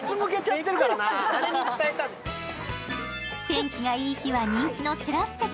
天気がいい日は人気のテラス席。